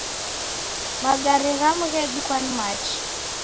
Magare ghamu ghedukwa ni machi.